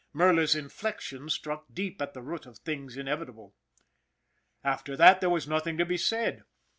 Merla's inflexion struck deep at the root of things inevitable. After that there was nothing to be said.